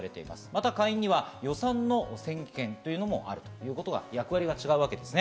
また、下院には予算の先議権というのもあるということ、役割が違うわけです。